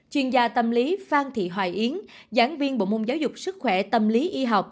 chuyên gia tâm lý phan thị hoài yến giảng viên bộ môn giáo dục sức khỏe tâm lý y học